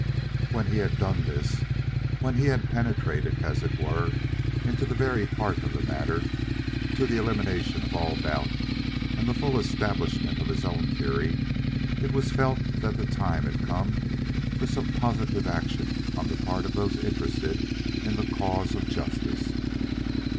When he had done this, when he had penetrated, as it were, into the very heart of the matter to the elimination of all doubt and the full establishment of his own theory, it was felt that the time had come for some sort of positive action on the part of those interested in the cause of justice.